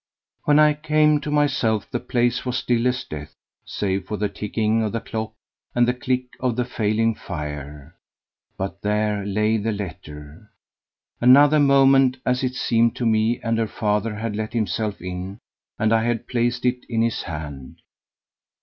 When I came to myself the place was still as death, save for the ticking of the clock and the click of the failing fire. But there lay the letter. Another moment, as it seemed to me, and her father had let himself in and I had placed it in his hand.